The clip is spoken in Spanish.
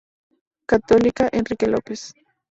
Católica -Enrique López-.